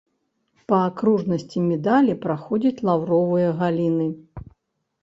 Па акружнасці медалі праходзяць лаўровыя галіны.